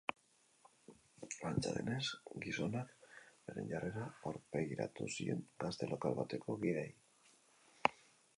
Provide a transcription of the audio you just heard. Antza denez, gizonak beren jarrera aurpegiratu zien gazte lokal bateko kideei.